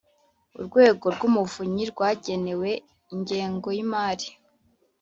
urwego rw’umuvunyi rwagenewe ingengo y’imari